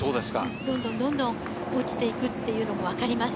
どんどん落ちていくのが分かります。